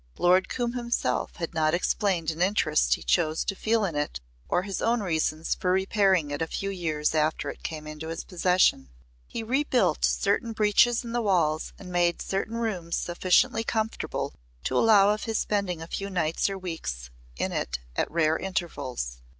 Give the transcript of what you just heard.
Lord Coombe himself had not explained an interest he chose to feel in it, or his own reasons for repairing it a few years after it came into his possession. He rebuilt certain breaches in the walls and made certain rooms sufficiently comfortable to allow of his spending a few nights or weeks in it at rare intervals.